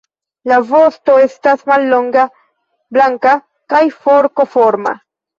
La vosto estas mallonga, blanka kaj forkoforma.